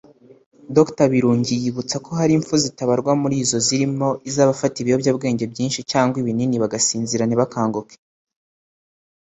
Dr Birungi yibutsa ko hari imfu zitabarwa muri izi zirimo iz’abafata ibiyobyabwenge byinshi cyangwa ibinini bagasinzira ntibakanguke